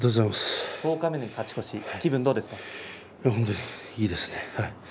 十日目で勝ち越しいいですね